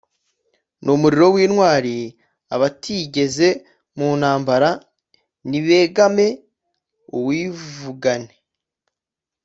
ni umulimo w'intwali abatigeze mu ntambara nibegame uwivugane.